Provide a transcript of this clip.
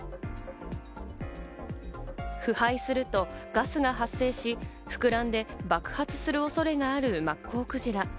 腐敗するとガスが発生し、膨らんで爆発する恐れがあるマッコウクジラ。